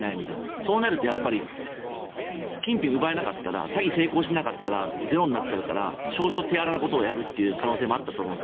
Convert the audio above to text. そうなると金品を奪えなかったら詐欺に成功しなかったらゼロになるから少々手荒なことをやる可能性もあったと思う。